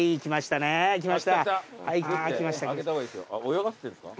泳がしてるんですか？